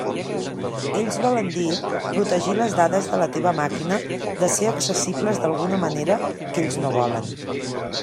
Ells volen dir protegir les dades de la teva màquina de ser accessibles d'alguna manera que ells no volen.